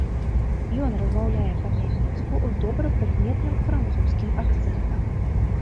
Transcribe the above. Ён размаўляе па-нямецку з добра прыкметным французскім акцэнтам.